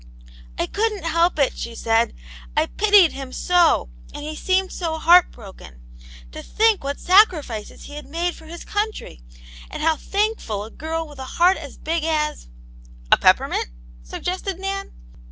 "I couldn't help it!" she said, "I pitied him so, and he seemed so heart broken. To think what sacrifices he had made for his country, and how thankful a girl with a heart as big as "" A peppermint ?" suggested Nan.